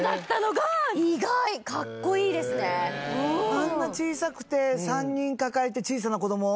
あんな小さくて３人抱えて小さな子供を。